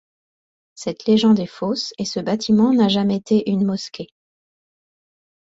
Cette légende est fausse et ce bâtiment n'a jamais été une mosquée.